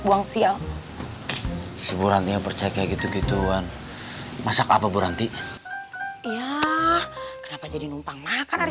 buang sial sebuahnya percaya gitu gitu wan masa kabur anti iya kenapa jadi numpang makan hari